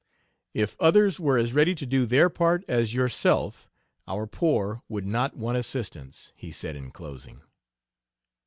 "If others were as ready to do their part as yourself our poor would not want assistance," he said, in closing.